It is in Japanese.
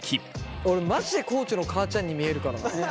俺マジで地の母ちゃんに見えるからな。